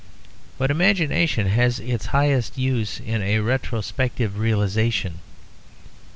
But imagination has its highest use in a retrospective realization.